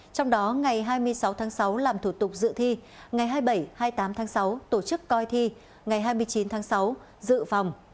trong đó ngày hai mươi sáu tháng sáu làm thủ tục dự thi ngày hai mươi bảy hai mươi tám tháng sáu tổ chức coi thi ngày hai mươi chín tháng sáu dự phòng